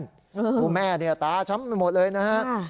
คือแม่เนี่ยตาช้ำไปหมดเลยนะฮะ